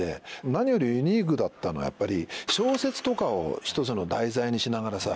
何よりユニークだったのはやっぱり小説とかを一つの題材にしながらさ